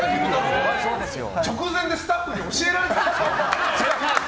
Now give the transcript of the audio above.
直前でスタッフに教えられたでしょ。